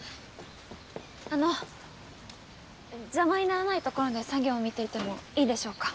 あの邪魔にならないところで作業見ていてもいいでしょうか？